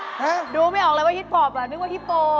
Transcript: ฮะดูไม่ออกเลยว่าฮิตปอปอ่ะนึกว่าฮิปโป